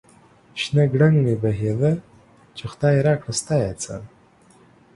شنه گړنگ مې بهيده ، چې خداى راکړه ستا يې څه ؟